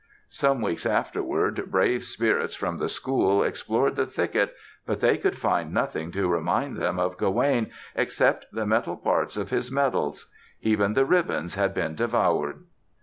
Some weeks afterward brave spirits from the school explored the thicket, but they could find nothing to remind them of Gawaine except the metal parts of his medals. Even the ribbons had been devoured.